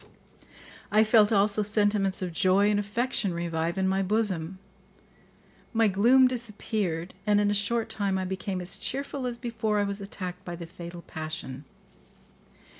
I felt also sentiments of joy and affection revive in my bosom; my gloom disappeared, and in a short time I became as cheerful as before I was attacked by the fatal passion.